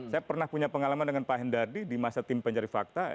saya pernah punya pengalaman dengan pak hendardi di masa tim pencari fakta